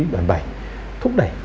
đòn bẩy thúc đẩy